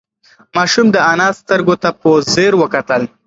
ماشوم د انا سترگو ته په ځير وکتل.